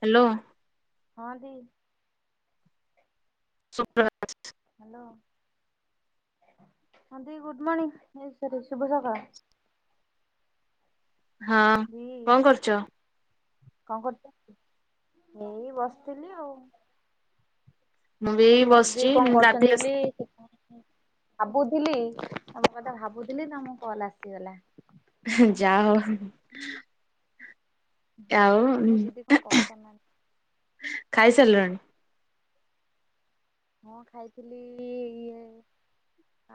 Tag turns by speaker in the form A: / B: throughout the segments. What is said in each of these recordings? A: Hello.
B: ହଁ ଦି
A: ଶୁପ୍ରଭାତ।
B: ହେଲୋ ହଁ ଦି ଗୁଡମଣିିଂ ସରି ଶୁଭ ସକାଳ।
A: ହଁ
B: ଦି
A: କଣ କରୁଛ?
B: କଣ କରୁଚ ଏଇ ବସିଥିଲି ଆଉ।
A: ବି
B: ମୁଁ
A: ଏଇ
B: କଇଲି ଦିଦି
A: ବସିଛି
B: କଣ କରୁଛନ୍ତି
A: ଗାଧେଇ ଆସି
B: ବୋଲି ସେଥିପାଇଁ ଭାବୁଥିଲି ତମ କଥା ଭାବୁଥିଲି ତମ କଲ୍ ଆସିଗଲା।
A: ଯା ହେଉ। ଆଉ
B: ନା ଦିଦି କଣ କଲ୍ କରିନାହାନ୍ତି?
A: ଖାଇ ସାରିଲଣି?
B: ହଁ ଖାଇଥିଲି ଇଏ।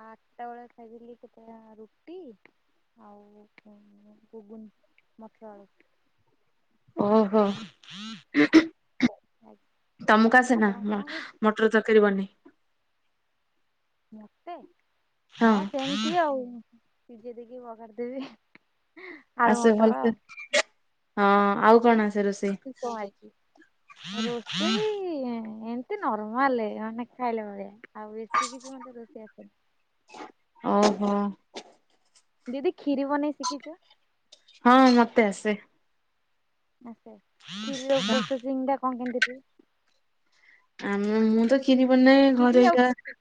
B: ଆଠଟା ବେଳେ ଖାଇଥିଲି କେତେଟା ରୁଟି। ଆଉ ଘୁଗୁନି ମଟର ଆଳୁ।
A: [inaudible] ଓହୋ ତମକୁ ଆସେନା
B: ଆପଣ
A: ମ
B: କଣ ଖାଇ
A: ଟର ତରକାରୀ ବନେଇ।
B: ମତେ ହଁ ସେମିତି ଆଉ ଶିଯେଇ ଦେଇକି ବଘାରି ଦେବି। ଆଳୁ
A: ଆସେ
B: ମଟର
A: ଭଲସେ
B: ଆଉ।
A: ହଁ ଆଉ କଣ ଆସେ ରୋଷେଇ?
B: [unintelligible] ରୋଷେଇ ଏମତି ନର୍ମାଲ ଏ ମାନେ ଖାଇଲା ଭଳିଆ। ଆଉ ବେଶି କିଛି ମତେ ରୋଷେଇ ଆସେନି।
A: ଓହୋ।
B: ଦିଦି ଖିରି ବନେଇ ଶିକିଚ?
A: ହଁ ମତେ ଆସେ।
B: ଆଛା, ଖିରି ର ପ୍ରୋସେସିଂ ଟା କଣ କେମିତି ହୁଏ?
A: ଆମ ମୁଁ ତ ଖିରି ବନାଏ ଘରେ
B: ଖିରି ଆଉ
A: ଏକା
B: ଖେଚି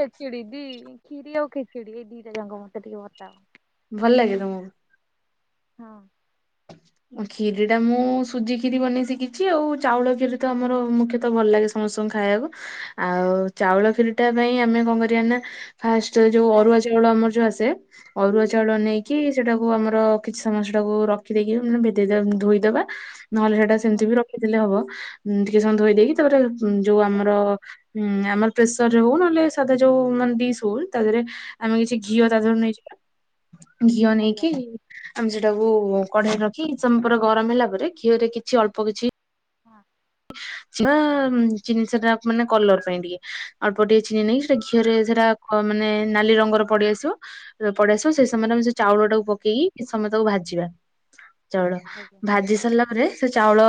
B: ଖେଚେଡି ଦି ଖିୀରି ଆଉ ଖେଚେଡି ଏଇ ଦିଟା ଯାଙ୍କ ମତେ ଟିକେ ବତ୍ତାଅ।
A: ଭଲ ଲାଗେ ତମକୁ।
B: ହଁ।
A: ଖିରି ଟା ମୁଁ ସୁଜି ଖିରି ବନେଇ ଶିଖିଛି ଆଉ ଚାଉଳ ଖିରି ତ ଆମର ମୁଖ୍ୟତଃ ଭଲ ଲାଗେ ସମସ୍ତଙ୍କୁ ଖାଇଆକୁ। ଆଉ ଚାଉଳ ଖିରି ଟା ପାଇଁ ଆମେ କଣ କରିଆ ନା‌। ଫାଷ୍ଟରେ ଯୋଉ
B: କଣ
A: ଅରୁଆ ଚାଉଳ ଆମର ଯୋଉ ଆସେ ଅରୁଆ ଚାଉଳ ନେଇକି ସେଟାକୁ। କୁ ଆମର କିଛି ସମୟ ସେଟାକୁ ରଖିଦେକି ଭେଦେଇ ଦବା ଧୋଇଦବା ନହେଲେ ସେଟା ସେମିତି
B: ହୁଁ
A: ବି ର ଖି ଦେଲେ ହବ, ଟିକେ ସମୟ ଧୋଇ ଦେଇେଇକି ତାପରେ ଯୋଉ ଆମର।
B: ଆଜ୍ଞା
A: ହୁଁ ଆମର ପ୍ରେସରରେ ହଉ ନହେଲେ ସାଧା ଯୋଉ ମାନେ ଡିସ୍ ହଉ ତା ଦେହରେ ଆମେ କିଛି। ଘିଅ
B: ହୁଁ
A: ତା ଦେହରୁ ନେଇଯିବା, ଘିଅ
B: ଆଜ୍ଞା
A: ନେଇକି ଆମେ ସେଟାକୁ। କଢେଇରେ ରଖି କିଛି ସମୟ ପରେ ଗରମ ହେଲା ପରେ ଘିଅ ରେ କିଛି ଅଳ୍ପ କିଛି।
B: ହାଁ।
A: ଚିନି ସେଟା ମାନେ କଲର ପାଇଁ ଟିକେ ଅଳ୍ପ ଟିକେ ଚିନି ନେଇ ସେ ଘିଅରେ ସେଇଟା କ ମାନେ ନାଲି ରଙ୍ଗର ପଡିଆସିବ ଯେତେଳେ ପଡିଆସିବ ସେଇ ସମୟରେ
B: ହୁଁ
A: ଆମେ ସେ ଚାଉଳ ଟାକୁ ପକେଇକି କିଛି ସମୟ ତାକୁ ଭାଜିବା ଚାଉଳ
B: ହୁଁ ଆଜ୍ଞା
A: ଭାଜି ସାରିଲା ପରେ। ସେ ଚାଉଳ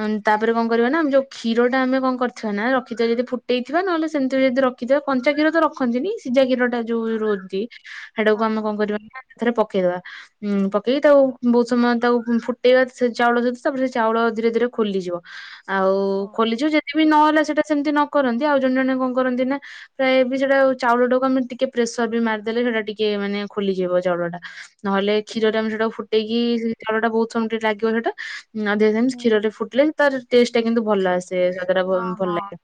A: ଉଁ ତା ତାପରେ କଣ କରିବା ନା ଆମେ ଯଉ କ୍ଷୀର ଟା ଆମେ କଣ କରିଥିବା ନା ରଖିଥିବା ଯଦି ଫୁଟେଇ ଥିବା ନହେଲେ ସେମତି ବି ଯଦି ର ଖିଥିବା କଞ୍ଚା କ୍ଷୀର ତ ରଖନ୍ତିନି, ସିଜା କ୍ଷୀର ଟା ଯୋଉ
B: ହଁ
A: ରୁହନ୍ତି, ସେଟାକୁ ଆମେ କଣ କରିବା ନା ସେଥେରେ ପକେଇଦବା। ହୁଁ ପକେଇ ତାକୁ ବହୁତ ସମୟ ତାକୁ ଫୁଟେଇବା ସେ ଚାଉଳ ଯେହେତୁ ତାପରେ ସେ ଚାଉଳ ଧୀରେ ଧୀରେ ଖୋଲିଯିବ। ଆଉ
B: ହଁ ହଁ
A: ଖୋଲିଯିବ ଯଦି ବିି
B: ହୁଁ
A: ନହେଲା ସେଇଟା ସେମିତି ନ କରନ୍ତି ଆଉ ଜଣେ ଜଣେ କଣ କରନ୍ତି ନା। ପ୍ରାୟ ଏବେ ସେଇଟା ଆଉ ଚାଉଳଟାକୁ ଆମେ ଟିକେ ପ୍ରେସର ବି ମାରିଦେଲେ ସେଟା ଟିକେ ମାନେ ଖୋଲିଯିବ ଚାଉଳ ଟା। ନହେଲେ କ୍ଷୀରରେ
B: ହୁଁ
A: ଆମେ ସେଟା ଫୁଟେଇକି ସେ ଚାଉଳ ଟା ବହୁତ ସମୟ ଟିକେ ଲାଗିବ ସେଇଟା। ନା ଅଧିକା ଟାଇମ କ୍ଷୀର ରେ ଫୁଟିଲେ ତାର ଟେଷ୍ଟଟା କିନ୍ତୁ ଭଲ ଆସେ ସ୍ୱାଦ ଟା ଭ
B: ହଁ
A: ଭଲ
B: ହଁ
A: ଲାଗେ।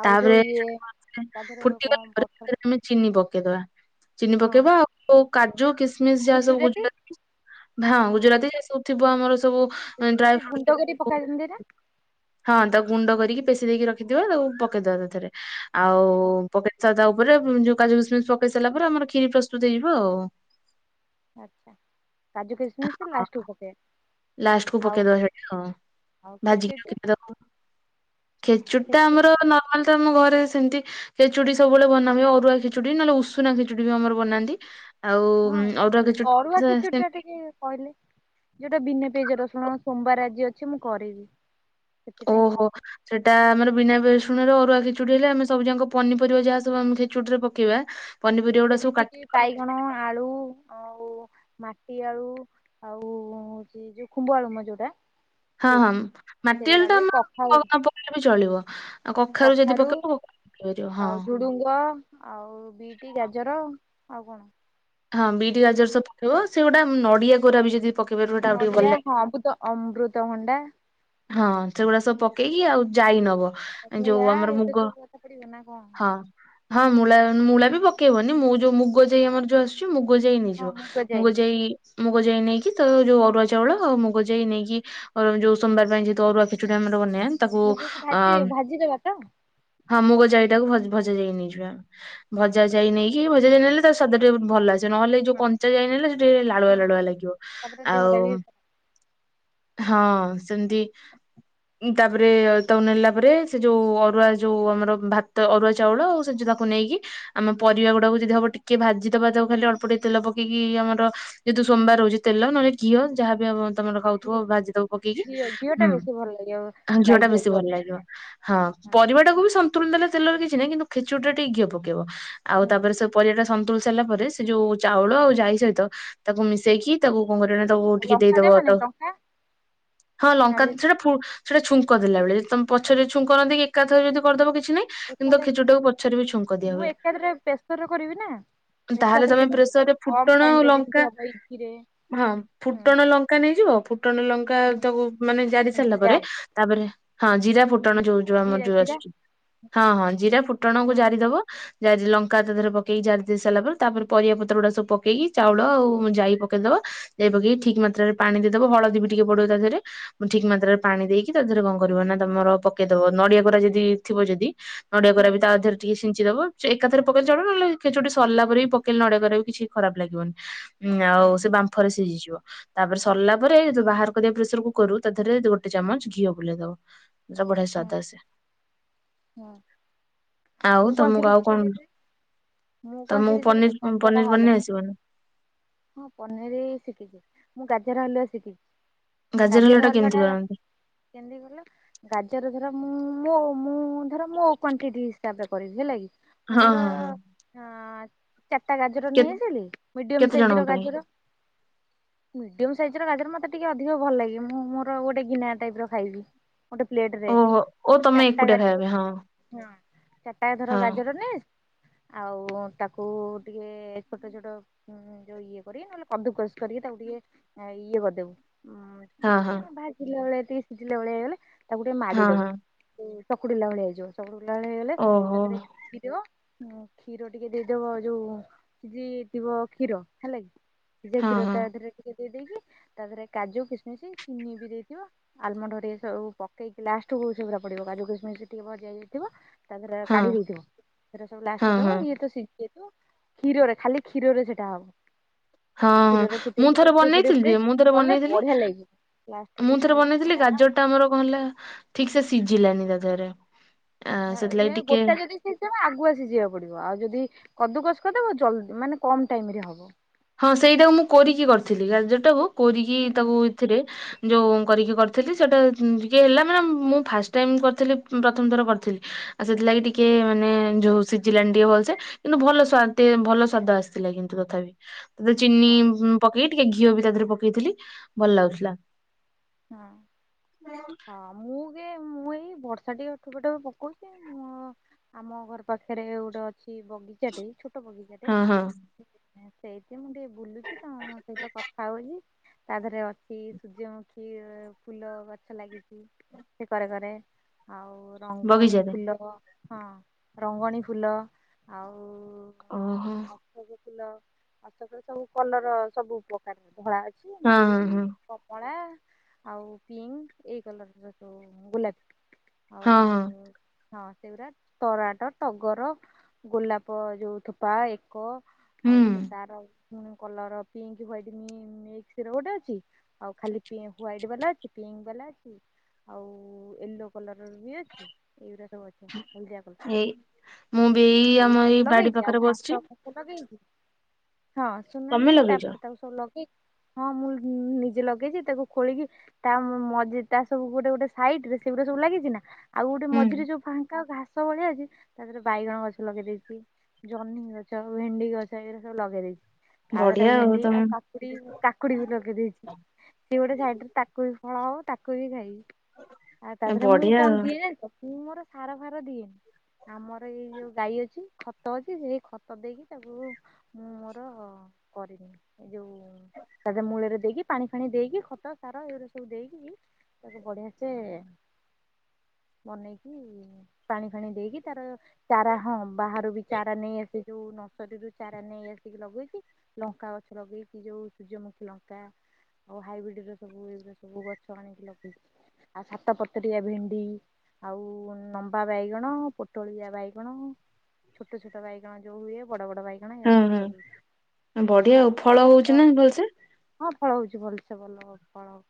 B: ଆଉ ଯୋଉ
A: ତାପରେ
B: ଇଏ ତା ଦେହରେ କଣ
A: ଫୁଟିଗଲା ପରେ
B: ବଟର
A: ସେଥିରେ ଆମେ ଚିନି ପକେଇଦବା।। ଚିନି
B: ହଁ
A: ପକେଇବା ଆଉ କାଜୁ କିସ୍‌ମିସ୍‌ ଯାହା ସବୁ ଗୁଜୁରାତି ହଁ ଗୁଜୁରାତି ଯାହା ସବୁ ଥିବ ଆମର ସବୁ। ଡ୍ରାଇ
B: ଗୁଜୁରାତି
A: ଫ୍ରୁଟ
B: ଗୁଣ୍ଡ କରି ପକା ନ୍ତି ନା?
A: ହଁ ତାକୁ ଗୁଣ୍ଡ କରିକି ପେଶି ଦେଇକି ରଖିଥିବେ ତାକୁ ପକେଇଦବ ତାଥେରେ ଆଉ
B: ହଁ
A: ପକେଇ ତା ଯା ଉପରେ ଯୋଉ କାଜୁ କିସ୍‌ମିସ୍‌ ପକେଇ ସାରିଲା ପରେ ଆମର ଖିରି ପ୍ରସ୍ତୁତ ହେଇଯିବ ଆଉ।
B: ଆଚ୍ଛା କାଜୁ କିମ୍‌ମିସ୍‌ କୁ ଲାଷ୍ଟକୁ ପକେଇଆ।
A: ଲାଷ୍ଟକୁ ପକେଇଦବା ସେଇଟା ହଁ।
B: ଆଉ
A: ଭାଜିକି
B: ଖେଚେଡି ଟା
A: ରଖି ଥିବେ ତାକୁ ଖେଚୁଡ଼ି ଟା
B: ଖେଚେଡି
A: ଆମର ନର୍ମାଲ ତ ଆମ ଘରେ ସେମିତି। ଖେଚୁଡ଼ି ସବୁବେଳେ ବନା ହୁଏ, ଅରୁଆ ଖେଚୁଡି ନହେଲେ ଉଷୁନା ଖେଚୁଡି ବି ଆମର ବନାନ୍ତି। ଆଉ
B: ହଁ
A: ଉଁ ଅରୁଆ ଖେଚୁଡ଼ି
B: ଅରୁଆ
A: ଟା ସେୟା
B: ଖେଚୁଡି
A: ସେମ।
B: ଟିକେ କହିଲେ ଯୋଉଟା ବିନା ପିଆଜ ରସୁଣ ସୋମବାର ଆଜି ଅଛି ମୁଁ କରିବି। ସେଥିପାଇଁ
A: ଓହୋ।
B: କହିଲି
A: ସେଇଟା ଆମର ବିନା ରସୁଣ ରେ ଅରୁଆ ଖେଚୁଡି ହେଲେ ଆମେ ସବୁଯାକ ପନିପରିବା ଯାହା ସବୁ ଆମେ ଖେଚୁଡି ରେ ପକେଇବା। ପନିପରିବା ଗୁଡା ସବୁ
B: ଯେମିତି କିି
A: କାଟିବା
B: ବାଇଗଣ, ଆଳୁ ଆଉ ମାଟିଆଳୁ। ଆଉ ହଉଛି ଯୋଉ ଖୁମ୍ଭଆଳୁ ମ ଯୋଉଟା।
A: ହଁ ହଁ
B: ସେଇଟା ସେଇ
A: ମାଟିଆଳୁ ଟା
B: ଆଳୁ
A: ଆମ
B: କଖାରୁ
A: ନ ପକେଇଲେ ବି ଚଳିବ। ଆଉ କଖାରୁ ଯଦି ପକେଇବ କଖାରୁ ପକେଇ ପାରିବ ହଁ।
B: ଆଉ ଝୁଡୁଙ୍ଗ ଆଉ ବିଟ୍, ଗାଜର ଆଉ କଣ?
A: ହଁ ବିଟ୍
B: ବି
A: ଗାଜର ସବୁ ପକେଇବ ସେଗୋଟା ନଡିଆ କୋରା ବି ଯଦି। ପକେଇ ପାରିବ ସେଟା ଆଉ ଟିକେ ଭଲ
B: ନଡିଆ
A: ଲାଗେ।
B: ହଁ ଅମୃତ ଅମ୍ବୃତ ଭଣ୍ଡା।
A: ହଁ ସେଗୁଡା ସବୁ ପକେଇକି ଆଉ ଯାଇ ନବ।
B: ମୂଳା
A: ଯୋଉ ଆମର
B: ଏଇଟା
A: ମୁଗ
B: ସବୁ କଥା ପଡିବ ନା କଣ?
A: ହଁ। ହଁ ମୂଳା ମୂଳା ବି ପକେଇବନି ମୁଁ ଯୋ ମୁଗ ଯାଇ ଆମର ଯାଇ ଆମର ଆସୁଚି। ମୁଗ ଯାଇ ନେଇଯିବ ମୁଗ ଯାଇ। ମୁଗ ଯାଇ ନେଇକି ତ ଯୋଉ ଅରୁଆ ଚାଉଳ ଆଉ ମୁଗ ଯାଇ ନେଇକି ଯୋଉ। ସୋମବାର ପାଇଁ ଯେହେତୁ ଅରୁଆ ଖେଚୁଡି ଆମର ବନଇେବା ତାକୁ
B: ମୁଗକୁ
A: ଅ
B: ଭାଜି ଭାଜିଦବା ତ?
A: ହଁ ମୁଗ ଜାଇ ଟାକୁ ଭଜା ଯାଇ ନେଇଯିବା
B: ହଁ
A: ଭଜା ଯାଇ ନେଇକି କି ଭଜା ଜାଇ ନେଲେ ତା ସ୍ୱାଦ ବହୁତ ଭଲ ଆସେ। ନହେଲେ ଯୋଉ କଞ୍ଚାଳିଆ ନେଲେ ସେଠି ଲାଳୁଆ
B: ହଁ
A: ଲାଳୁଆ ଲାଗିବ
B: ତାପରେ
A: ଆଉ
B: ଦେହଟା ବି
A: ହଁ ସେମିତି ତାପରେ ତ ନେଲା ପରେ ସେ ଯୋଉ ଅରୁଆ ଯୋଉ ଆମର ଭାତ ଅରୁଆ ଚାଉଳ ଆଉ ସେ ଯୋଉ ତା କୁ ନେଇକି ଆମେ ପରିବା ଗୁଡାକୁ ଯଦି ହବ ଟିକେ ଭାଜିଦବା ତବ ଖାଲି ଅଳ୍ପ ତେଲ ପକେଇକି ଆମର ଯେହେତୁ ସୋମବାର ରହୁଛି ତେଲ ନହେଲେ ଘିଅ ଯାହାବି ଆମ ତମର ଖାଉଥିବ
B: ଘିଅ
A: ଭାଜିଦବ ପକେଇକି।
B: ଘିଅ ଟା
A: ହୁଁ
B: ବେଶୀ ଭଲ ଲାଗିବ
A: ଆ ଝିଅ
B: ଗାଈ
A: ଟା ବେଶୀ
B: ଘିଅକୁ
A: ଭଲ
B: ଅପେକ୍ଷା
A: ଲାଗିବ। ହଁ ପରିବା ଟାକୁ ବି ସନ୍ତୁଳନ ଦେଲେ ତେଲର କିଛି ନାହିଁ କିନ୍ତୁ ଖେଚୁଡ଼ି ଟା ଟିକେ ଘିଏ ପକେଇବ ଆଉ
B: ହଁ
A: ତାପରେ ସବୁ ପରିବା ଟା ସନ୍ତୁଳ ସାରିଲା ପରେ ସେ ଯୋଉ ଚାଉଳ ଆଉ ଜାଇ ସହିତ ତାକୁ ମିଶେଇକି ତାକୁ କଣ କରିବ ନା ତାକୁ ଉଠିକି
B: ଲଙ୍କା
A: ଦେଇଦବ
B: ଦେବାନି
A: ତ
B: ଲଙ୍କା
A: ହଁ ଲଙ୍କା
B: ନାଲି
A: ସେଟା ସେଟା ଛୁଙ୍କ ଦେଲାବେଳେ ତମେ ପଛରେ ଛୁଙ୍କ ନ ଦେଇକି ଏକାଥରେ ଯଦି କରିଦବ କିଛି ନାଇଁ
B: ଏକା ମୁଁ ଏକାଥରେ ପ୍ରେସର କରିବି ନା।
A: ତାହେଲେ ତମେ
B: ଏକାଥରକେ
A: ପ୍ରେସର
B: ଯେମିତି
A: ରେ
B: କମ୍
A: ଫୁଟଣ ଆଉ
B: ଟାଇମରେ
A: ଲଙ୍କା
B: ଯେମିତି ହେବ ଇଥିରେ।
A: ହଁ ଫୁଟଣ ଲଙ୍କା ନେଇଯିବ ଫୁଟଣ ଲଙ୍କା ତାକୁ ମାନେ ଜାରି ସାରିଲା
B: ଜିରା
A: ପରେ ତାପରେ ହଁ ଜିରା ଫୁଟଣ
B: ହୁଁ
A: ଯୋଉ ଯୋଉ ଆମର
B: ଜିରା
A: ଯୋଉ
B: ଜିରା
A: ଆସୁଛି। ହଁ ହଁ ଜିରା ଫୁଟଣକୁ
B: ହୁଁ
A: ଜାରିଦବ ଜାରି ଲଙ୍କା ତା ଦେହରେ ପକେଇକି ଜାରିଦେଇ ସାରିଲା ପରେ ତାପରେ ପରିବା ପତ୍ର ଗୁଡା ସବୁ ପକେଇକି ଚାଉଳ ଆଉ ଜାଇ ପକେଇଦବ ଏଇଆପକେଇକି ଠିକ ମାତ୍ରାରେ ପାଣି ଦେଇଦବ ହଳଦୀ ବି ଟିକେ ପଡ଼ିବ ତଦେହରେ। ଠିକ ମାତ୍ରାରେ ପାଣି ଦେଇକି ତା ଦେହରେ କଣ କରିବ ନା ତମର ପକେଇଦବ ନଡିଆ କୋରା ଯଦି ଥିବ ଯଦି ନଡିଆ
B: ହୁଁ
A: କୋରା ବି ତା ଦେହରେ ଟିକେ ଛିଞ୍ଚି ଦବ ଏକାଥରେ ପକେଇଲେ ଚଳିବ ନହେଲେ ଖିଚୁଡ଼ି ସରିଲା
B: ହୁଁ
A: ପରେ ବି ନଡିଆ କୋରା ବି କିଛି ଖରାପ ଲାଗିବନି ଆଉ ସେ ବା ମ୍ଫରେ ସିଝିଯିବ ତାପରେ ସରିଲା ପରେ ଯେତେବେଳବାହାର ପ୍ରେସର କରୁ ତାଥିରେ ଗୋଟେ ଚାମଚ ଘିଅ ବୁଲେଇ ଦବ ଯ ବଢିଆ
B: ହୁଁ
A: ସ୍ୱାଦ ଆସେ।
B: ହୁଁ
A: ଆଉ
B: ମୁଁ କଣ
A: ତମକୁ ଆଉ
B: ଶିଖିଛି କହିଲେ। ମୁଁ କଣ
A: ତମକୁ
B: ଶିଖିଛି କଇଲ
A: ପନିର
B: ତାଟିଆ ଟା
A: ପନିର
B: ହଲେ
A: ବନେଇ ଆସିବନି
B: ହଁ ପନିର ଶିଖିଛି ମୁଁ ଗାଜର ହାଲୁଆ ଶିଖିଛି। ଗାଜର
A: ହଲୁଆଟା
B: ହଲୁଆ
A: କେମିତି
B: ଟା
A: କରନ୍ତି?
B: କେମିତି କଲ ଗାଜର ଧର ମୁଁ ମୋ ମୁଁ ଧର ମୋ କ୍ୱାଣ୍ଟିଟି ହିସାବରେ କରିବି ହେଲା କି? ମୁଁ
A: ହଁ
B: ଧର
A: ହଁ ହଁ
B: ଅଁ ଚାରିଟା ଗାଜର
A: କେ
B: ନେଇ ଆସିଲି ମିଡିୟମ
A: କେତେ
B: ସାଇଜ
A: ଜଣଙ୍କ
B: ର
A: ପାଇଁ?
B: ଗାଜର। ମିଡ଼ିୟମ ସାଇଜ୍ ର ଗାଜର ମୋତେ ଟିକଏ ଅଧିକ ଭଲ ଲାଗେ ମୁଁ ମୋର ଗୋଟେ ଗିନା ଟାଇପ୍ ର ଖାଇବି। ଗୋଟେ ପ୍ଲେଟ ରେ
A: ଓହୋ ଓ
B: ତମ
A: ତମେ
B: ଚାରିଟା
A: ଏକୁଟିଆ ଖାଇବା
B: ଗାଜର
A: ପାଇଁ ହଁ
B: ହଁ ଚାରିଟା ଧର ଗାଜର ନେ ଆଉ ତାକୁ ଟିକେ ଛୋଟ ଛୋଟ ଉ ଯୋଉ ଇଏ କରିବେ ନହେଲେ କଦୁକସ୍ କରିକି ତାକୁ ଟିକେ ଇଏ କରିଦବ ଉ
A: ହଁ ହଁ
B: କ ବାସିଲା ଭଳିଆ ସିଝିଲା ଭଳିଆ ହେଇଗଲେ ତାକୁ ଟିକେ ମାଡି
A: ହଁ ହଁ ହଁ
B: ଦବୁ। ଚକୁଡିଲା ଭଳିଆ ହେଇଯିବ ଚକୁଡିଲା ଭଳିଆ ହେଇଗଲେ
A: ଓହୋ
B: ତାତିରେ ଥିବ କ୍ଷୀର ଟିକେ ଦେଇଦବ ଯୋଉ ସିଜି ଥିବ କ୍ଷୀର ହେଲା ସିଜେ
A: ହଁ
B: କ୍ଷୀର
A: ହଁ
B: ତାଥିରେ ଦେଇ ଦେଇକି ତାଥିରେ କାଜୁ କିସମିଶ ଚିନି ବି ଦେଇଥିବ ଆଲମଣ୍ଡ ହରିକା ସବୁ ପକେଇକି ଲାଷ୍ଟକୁ ସେଗୁଡ଼ା ପଡିବ କାୁଜୁ କିସ୍ ମିସ୍ ଟିକେ ଭଭା ହେଇକି ଥିବ। ତା ଦେରେ
A: ହଁ
B: କାଢି ଦେଇଥିବ ସେ ସବୁ ଲାଷ୍ଟ
A: ହଁ
B: କୁ ଦବ
A: ହଁ
B: ଇଏ ତ ସି ଯେହେତୁ କ୍ଷୀରରେ ଖାଲି କ୍ଷୀରରେ ସେଟା ହବ।
A: ହଁ ହଁ
B: କ୍ଷୀରରେ ଫୁଟେଇ
A: ମୁଁ
B: ଫୁଟେଇ
A: ଥରେ
B: ଫୁଟେଇ ଫୁଟେଇ
A: ବନେଇଥିଲି
B: ଫୁଟେଇ
A: ଯ ମୁଁ ଥରେ
B: କଲେ
A: ବନେଇଥିଲି
B: ବଢିଆ ଲାଗିବ।
A: ମୁଁ
B: ଲାଷ୍ଟକୁ
A: ଥରେ
B: କାଢିକି
A: ବନେଇଥିଲି
B: ଖା ଖା
A: ଗାଜର ଆମର କଣ ହେଲା ଠିକ ସେ ସିଝିଲାନି ତା ଦେହରେ। ଆ
B: ହ
A: ସେଥିଲାଗି ଟିକେ
B: ଗୋଟା ଯଦି ସେ ଆଗକୁ ଆସି ଯିବାକୁ ପଡିବ ଆଉ ଯଦି କଦୁକସ କରିଦବ ଜଲଦି ମାନେ କମ ଟାଇମ ରେ ହବ।
A: ହଁ ସେଇଟାକୁ ମୁଁ କରିକି କରିଥିଲି ଗାଜରଟାକୁ କରୋିକି
B: ହୁଁ।
A: ତାକୁ ଏଥିରେ ଯେଉଁ କରିକି କରିଥିଲି ସେଇଟା ଟିକଏ ହେଲା ମାନେ ମୁଁ ଫାଷ୍ଟ ଟାଇମ୍ କରିଥିଲି ପ୍ରଥମ ଥର କରିଥିଲି। ଆଉ ସେଥିଲାଗି ଟିକେ ମାନେ ଯୋଉ ସିଝିଲାନି ଟିକେ ଭଲସେ କିନ୍ତୁ ଭଲ ସ୍ୱାତୀ ଭଲ ସ୍ୱାଦ ଆସିଥିଲା କିନ୍ତୁ ତଥାପି। ତା ଥିରେ ଚିନି
B: ହଁ
A: ଉଁ ପକେଇକି ଟିକେ ଘିଅ ବି ତା ଦେହରେ ପକେଇଥିଲି ଭଲ ଲାଗୁଥିଲା।
B: ହଁ ହଁ। ମୁଁ କି ମୁଁ ଏଇ ବର୍ଷା ଟିକେ ଠୋପେ ଠୋପେ ପକଉଛି ମୁଁ ଆମ ଘର ପାଖରେ ଗୋଟେ ଅଛି ବଗିଚାଟେ ଛୋଟ ବଗିଚାଟେ
A: ହଁ ହଁ।
B: ସେଇଠି ମୁଁ ଟିକେ ବୁଲୁଛି ତମ ସହିତ କଥା ହଉଛି ତା ଦେହରେ ଅଛି ସୂର୍ଯ୍ୟମୁଖୀ କି ଫୁଲ ଗଛ ଲାଗିଛି ସେ କରେ କରେ ଆଉ ରଙ୍ଗଣୀ
A: ବଗିଚାରେ
B: ଫୁଲ ହଁ ରଙ୍ଗଣୀ ଫୁଲ ଆଉ
A: ଓହୋ।
B: ସବୁ ଫୁଲ ମାସକରେ ସବୁ କଲର ସବୁ ଉପକାରୀ ଧଳା ଅଛି
A: ହଁ
B: ନାଲି
A: ହଁ ହଁ
B: କମଳା ଆଉ ପିଙ୍କ ଏଇ କଲରର ସବୁ ଗୋଲାପୀ ଆଉ
A: ହଁ ହଁ
B: ହଁ ସେଗୁରା ତରାଟ, ଟଗର, ଗୋଲାପ ଯୋଉ ଥୋପା ଏ କ ଆଉ
A: ହୁଁ
B: ସେ ତାର ପୁଣି କଲର ପିଙ୍କ୍ ହ୍ୱଵାଇଟ୍ ମି ମିକ୍ସର ଗୋଟେ ଅଛି ଆଉ ଖାଲି ପି ହ୍ୱଵାଇଟ୍ ବାଲା ଅଛି ପିଙ୍କ ବାଲା ଅଛି ଆଉ ୟେଲୋ କଲରର ବି ଅଛି ଏଇଗୁଡା ସବୁ ଅଛି। ହଲଦିଆ
A: ଏଇ
B: କଲ
A: ମୁଁ ବି ଏଇ ଆମ
B: ଏଇଗୁଡା
A: ଏଇ ବାଡି
B: ଲଗେଇଛି ଆଉ
A: ପାଖରେ ବସିଛି
B: ଘାସ ସବୁ ଲଗେଇଚି ହଁ
A: ତମେ
B: ଶୁଣୁନାହାନ୍ତି
A: ଲଗେଇଛ
B: ତାପରେ ତାକୁ ସବୁ ଲଗେଇ ହଁ ମୁଁ ନିଜେ ଲଗେଇଛି ତାକୁ ଖୋଳିକି ତା ମ ମ ମଝିଟା ସବୁ ଗୋଟେ ଗୋଟେ ସାଇଟରେ ସେଇଗୁଡା ସବୁ ଲାଗିଛି ନା ଆଉ ଗୋଟେ
A: ହୁଁ
B: ମଝିରେ ଯୋଉ ଫାଙ୍କା ଘାସ ଭଳିଆ ଅଛି ତା ଦେହରେ ବାଇଗଣ ଗଛ ଲଗେଇ ଦେଇଛି। ଜହ୍ନି ଗଛ, ଭେଣ୍ଡି ଗଛ ଏଇଗୁରା ସବୁ ଲଗେଇ ଦେଇଛି ତାପରେ ତ
A: ବଢିଆ
B: ଭେଣ୍ଡି ଆଉ
A: ତମେ
B: କାକ୍ କୁଡି କାକୁଡି ବି ଲଗେଇ ଦେଇଛି। ସିଏ ଗୋଟେ ସାଇଡରେ ତାକୁ ବି ଫଳ ହବ ତାକୁ ବି ଖାଇବି ଆଉ ତା ଦେହରେ ମୁଁ
A: ବଢିଆ ଆଉ।
B: କଣ ଦିଏ ଜାଣିଚ? ମୁୁଁ ମୋର ସାର ଫାର ଦିଏନି। ଆମର ଏଇ ଯୋଉ ଗାଈ ଅଛି ଖତ ଅଛି ସେଇ ଖତ ଦେଇକି ତାକୁ ମୁଁ ମୋର କରିନିଏ ଏ ଯୋଉ ତା ଦେହରେ ମୂଳରେ ଦେଇକି ପାଣି ଫାଣି ଦେଇକି ଖତ ସାର ଏଗୁଡା ସବୁ ଦେଇକି ତାକୁ ବଢିଆ ସେ ବନେଇକି ପାଣି ଫାଣି ଦେଇକି ତାର ଚାରା ହଁ ବାହାରୁ ବି ଚାରା ନେଇଆସି ଯୋଉ ନର୍ସରୀରୁୁ ଚାରା ନେଇ ଆସିକି ଲଗେଇଛି। ଲଙ୍କା ଗଛ ଲଗେଇକି ଯୋଉ ସୂର୍ଯ୍ୟମୁଖୀ ଲଙ୍କା ଆଉ ହାଇବ୍ରିଡ ଏରା ସବୁ ଏଗୁରା ସବୁ ଗଛ ଆଣିକି ଲଗେଇଛି ଆଉ ସାତ ପତରିଆ ଭେଣ୍ଡି ଆଉ ନମ୍ବା ବାଇଗଣ, ପୋଟଳିଆ ବାଇଗଣ ଛୋଟ ଛୋଟ ବାଇଗଣ ଯୋଉ ହୁଏ ବଡ ବଡ ବାଇ ଜଣେ
A: ହଁ
B: ୟାକୁ
A: ହଁ
B: ଲଗେଇଛି ତା
A: ବଢିଆ ଆଉ ଫଳ
B: [unintelligible]
A: ହଉଛି
B: ତ
A: ନା ଭଲସେ
B: ହଁ ଫଳ ହଉଛି ଭଲସେ ଭଲ ଫଳ ହଉ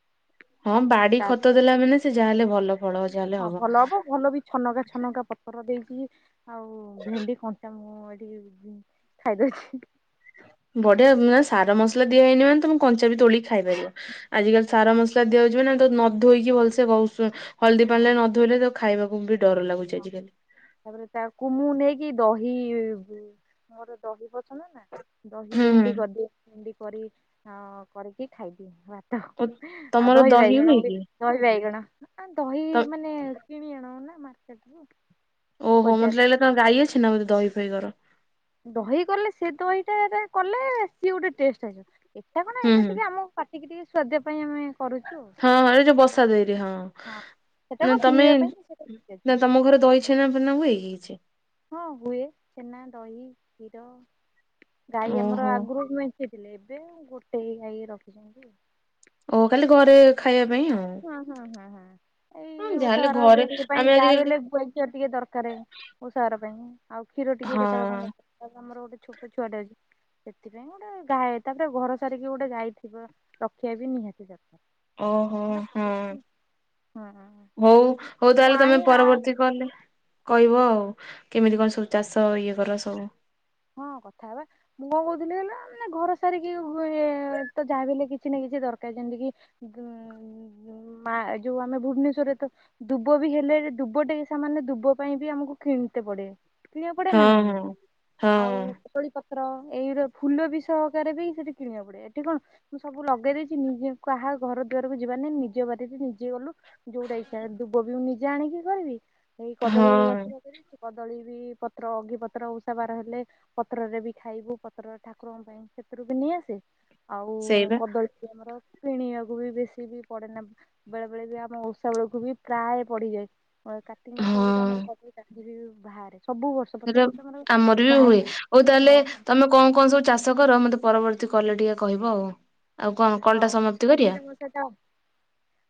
A: ହଁ ବାଡି ଖତ ଦେଲା ମାନେ ସେ ଯାହା ହେଲେ ଭଲ ଫଳ ହ
B: ହଁ ଭଲ ହବ ଭଲ ବି ଛନକା ଛନକା ପତ୍ର ଦେଇଛି ଆଉ ଭେଣ୍ଡି କଞ୍ଚା ମୁଁ ଏଠି ବିନ୍ସ ଖାଇଦଉଛି।
A: ବଢିଆ ଉଁ ଆ ସାର ମସଲା ଦିଆହେଇନି ମାନେ ତମେ କଞ୍ଚା ବି ତୋଳିକି ଖାଇପାରିବ। ଆଜିକାଲି ସାର ମସଲା ଦିଆହଉଚି ମାନେ ଆମେ ତ ନ ଧୋଇକି ଭଲସେ [unintelligible] ହଳଦୀ
B: ହଁ
A: ପାଣିରେ ନ ଧୋଇଲେ ତାକୁ ଖାଇବାକୁ ବି ଡର ଲାଗୁଛି
B: ହଁ
A: ଆଜିକାଲି।
B: ତାପରେ ତାକୁ ମୁଁ ନେଇକି ଦହି ମୋର ଦହି ପତ ଶୁଣନା ଦହି
A: ହୁଁ ହୁଁ
B: ଭେଣ୍ଡି କରିଦିଏ ଭେଣ୍ଡି କରି ଆଁ କରିକି ଖାଇଦିଏ ଭାତ୍ ତ
A: ଓ
B: ଆଉ
A: ତମର
B: ଦହି ବାଇଗଣ ହୁଏ
A: କି?
B: ଦହି ବାଇଗଣ ଆ ଦହି
A: ତ
B: ମାନେ କିଣି ଆଣୁ ନା ମାରକେଟ୍ ରୁ।
A: ଓହୋ ମୋତେ ଲାଗିଲା ତମର ଗାଈ ଅଛି ନା ବୋଧେ ଦହି ଫହି କର।
B: ଦହି କଲେ, ସେ ଦହିଟା କଲେ, ସିଏ ଗୋଟେ ଟେଷ୍ଟ ଆସିବ ଏଟା କ ନା
A: ହୁଁ
B: ଏଟା
A: ହୁଁ
B: ଟିକେ ଆମ ପାଟି ଟିକି ଟିକେ ସୁଆଦିଆ ପାଇଁ ଆମେ କରୁଛୁ।
A: ହଁ, ହଁ ଏ ଯୋଉ ବସା ଦହିରେ। ହଁ
B: ସେଟା
A: ନା
B: କଣ
A: ତମେ
B: ପିଇବା ପାଇଁ ସେଟା
A: ନା ତମ ଘରେ ଦହି ଛେନା ଫେନା ହୁଏ କି କିଛି?
B: ହଁ ହୁଏ, ଛେନା ଦହି କ୍ଷୀର ଗାଈ ଆମର
A: ଓହୋ।
B: ଆଗରୁ [unintelligible] ମେ ଥିଲେ। ଏବେ ଗୋଟେ ଗାଈ ରଖିଛନ୍ତି।
A: ଓ ଖାଲି ଘରେ ଖାଇବା ପାଇଁ ଆଉ।
B: ହଁ ହଁ ହଁ ହଁ
A: ହଁ
B: ଏଇ ଓଷା
A: ଯାହାହେଲେ ଘରେ
B: ବାର ପାଇଁ
A: ଆମେ
B: ଯାହା
A: ଆଜିକାଲି
B: ହେଲେ ଗୁଆ ଘିଅ ଟିକେ ଦରକାର। ଓଷା ବାର ପାଇଁ, ଆଉ କ୍ଷୀର ଟିକେ
A: ହଁ
B: କେତେବେଳେ କଣ ଦରକାର। ଆମର ଗୋଟେ ଛୋଟ ଛୁଆଟେ ଅଛି। ସେଥିପାଇଁ ଗୋଟେ ଗାଈ ତାପରେ ଘର ସାରିକି ଗୋଟେ ଗାଈ ଥିବ, ରଖିବା ବି ନିହାତି ଦରକାର।
A: ଓହୋ
B: ସେଥିପାଇଁ
A: ହୋ ହଁ
B: ରଖିଦେଇଛି ହଁ
A: ହଉ ହଉ ତାହେଲେ ତମେ
B: କାଇଁ ଆ
A: ପରବର୍ତ୍ତୀ କଲେ କହିବ। କେମିତି କଣ ସବୁ ଚାଷ ଇଏ କର ସବୁ।
B: ହଁ କଥା ହବା। ମୁଁ କଣ କହୁଥିଲି କହିଲ ମାନେ ଘର ସାରିକି ତ ଯାହାଲେ କିଛି ନା କିଛି ଦରକାର। ଯେମତି କି [unintelligible] ମା, ଯୋଉ ଆମେ ଭୁବନେଶୂର ରେ ତ ଦୁବ ବି ହେଲେ ଦୁବ ଟେ ସାମାନ୍ଯ ଦୁବ ପାଇଁ ବି ଆମକୁ କିଣତେ ପଡେ। କିଣିବାକୁ ପଡ଼େ
A: ହଁ
B: ନା ନ
A: ହଁ। ହଁ
B: ଆଉ କଦଳୀ ପତ୍ର ଏଇ ର ଫୁଲ ବି ସହକାରେ ବି ସେଠି କିଣିବାକୁ ପଡେ। ଏଠି କଣ ମୁଁ ସବୁ ଲଗେଇ ଦେଇଛି। ନିଜେ କାହା ଘର ଦୁଆରକୁ ଯିବାନାଇ ନିଜ ବାରିରେ ନିଜେ ଗଲୁ। ଯୋଉଟା ଇଛା, ଦୁବ ବି ମୁଁ ନିଜେ ଆଣିକି କରିବି। ସେଇ କଦଳୀରେ
A: ହଁ
B: ଗଛରେ କଦଳୀ ବି ପତ୍ର ଅଗିପତ୍ର ଉଷା ବାର ହେ ହେଲେ ପତ୍ରରେ ବି ଖାଇବୁ। ପତ୍ରରେ ଠାକୁରଙ୍କ ପାଇଁ ସେଥିରୁ ବି ନେଇ ଆସେ। ଆଉ
A: ସେଇବା
B: କଦଳୀ ଆମର କିଣିବାକୁ ବି ବେଶୀ ବି ପଡେ ନା ବେଳେ ବେଳେ ବି ଆମ ଓଷା ବେଳକୁ ବି ପ୍ରାୟ ପଡିଯାଏ। କାର୍ତ୍ତିକ ମାସ ବେଳକୁ ଆମର
A: ହଁ
B: କାନ୍ଦି ଵି ବାହାରେ। ସବୁ ବର୍ଷ ପ୍ରତ୍ୟେକ ବର୍ଷ ଆମର ବାହାରେ
A: ହୁଏ ହଉ
B: ହଁ
A: ତାହେଲେ ତମେ କଣ କଣ ସବୁ ଚାଷ କର। ମତେ ପରବର୍ତ୍ତୀ କଲେ ଟିକେ କହିବ ଆଉ। କଣ କଲ୍
B: ହଉ
A: ଟା
B: [unintelligible]
A: ସମାପ୍ତି
B: ନିଶି
A: କରିବା
B: ତ ଗୋଟେ ଥାଉ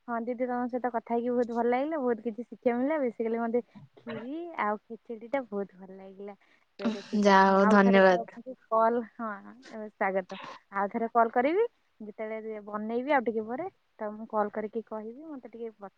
B: ହଁ ଦିଦି ତମ ସହିତ କଥାଇକି ବହୁତ ଭଲ ଲାଗିଲା। ବହୁତ କିଛି ଶିକ୍ଷିବାକୁ ମିଳିଲା। ଵେଶୀକାଲି ମତେ ଖିୀରି ଆଉ ଖେଚେଡି ଟା ବହୁତ ଭଲ ଲାଗିଲା।
A: ଯାହା
B: [unintelligible] ମୁଁ
A: ହଉ
B: ଆଉଥରେ ତ
A: ଧନ୍ୟବାଦ।
B: କଲ ହଁ ଏବେ ସ୍ବାଗତ ଆଉ ଥରେ କଲ କରିବି ଯେତେବେଳେ ବନେଇବି ଆଉ ଟିକେ ପରେ ତା ମୁଁ କଲ୍ କରିକି କହିବି। ମତେ ଟିକେଇ ଵତେଇ ଦବ।